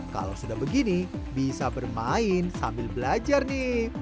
kalau sudah begini bisa bermain sambil belajar nih